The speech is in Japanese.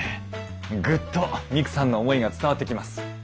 グッとミクさんの思いが伝わってきます。